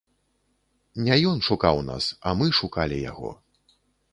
Не ён шукаў нас, а мы шукалі яго.